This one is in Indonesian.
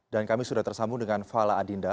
dan kami sudah tersambung dengan fala adinda